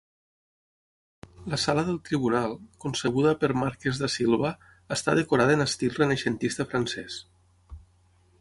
La Sala del Tribunal, concebuda per Marques da Silva, està decorada en estil renaixentista francès.